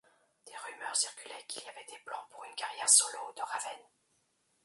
Des rumeurs circulaient qu'il y avait des plans pour une carrière solo de Raven.